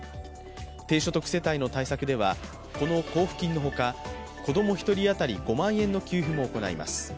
低所得世帯の対策では、この交付金の他子供１人当たり５万円の給付も行います。